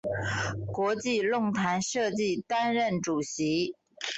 国际论坛设计担任主席。